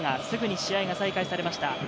すぐに試合が再開されました。